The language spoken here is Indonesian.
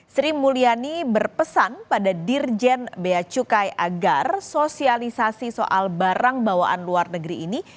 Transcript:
sri mulyani berpesan pada dirjen bea cukai agar sosialisasi soal barang bawaan luar negeri ini